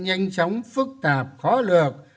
nhanh chóng phức tạp khó lược